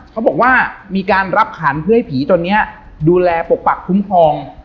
เขาบอกว่ามีการรับขันเพื่อให้ผีตัวนี้ดูแลปกปักคุ้มครอง